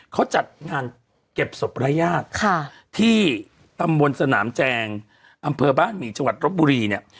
เขาจัดงานเก็บศพรายญาติที่ตำบลสนามแจงอำเภอบ้านหมี่จังหวัดรบบุรีเนี่ย